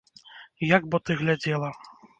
Як бо ты глядзела!